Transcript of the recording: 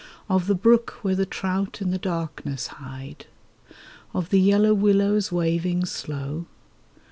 Of the brook where the trout in the darkness hide ? Of the yellow willows waving slow